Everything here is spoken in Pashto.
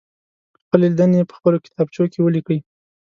خپلې لیدنې په خپلو کتابچو کې ولیکئ.